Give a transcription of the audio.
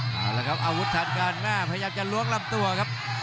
เอาละครับอาวุธทันการหน้าพยายามจะล้วงลำตัวครับ